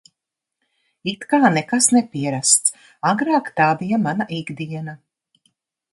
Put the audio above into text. It kā nekas nepierasts, agrāk tā bija mana ikdiena.